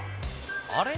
「あれ？